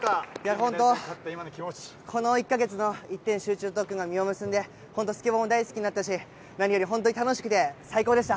本当、この１か月の一点集中特訓が実を結んで、本当、スケボーも大好きになったし、何より本当に楽しくて最高でした。